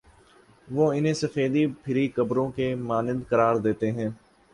وہ انہیں سفیدی پھری قبروں کی مانند قرار دیتے ہیں۔